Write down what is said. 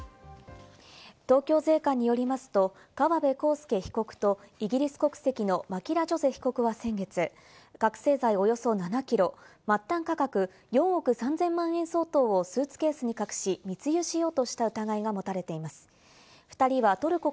東京税関によりますと、川辺康介被告と、イギリス国籍のマキラ・ジョゼ被告は先月、覚せい剤およそ７キロ、末端価格４億３０００万円相当をスーツケースに隠し、密輸しよう